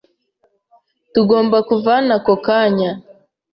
Tugomba kuva hano ako kanya.